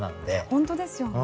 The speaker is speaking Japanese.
本当ですよね。